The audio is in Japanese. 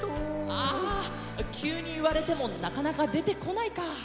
ああきゅうにいわれてもなかなかでてこないか。